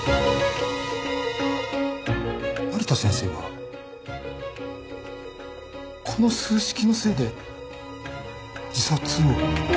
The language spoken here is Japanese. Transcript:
成田先生はこの数式のせいで自殺を？